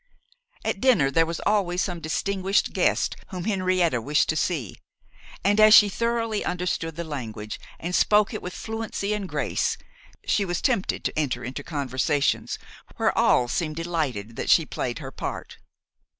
At dinner there was always some distinguished guest whom Henrietta wished to see; and as she thoroughly understood the language, and spoke it with fluency and grace, she was tempted to enter into conversations, where all seemed delighted that she played her part.